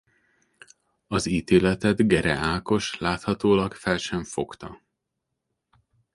Az ítéletet Gere Ákos láthatólag fel sem fogta.